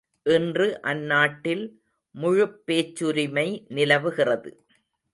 இன்று அந்நாட்டில் முழுப் பேச்சுரிமை நிலவுகிறது.